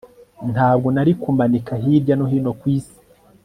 Ntabwo nari kumanika hirya no hino kwisi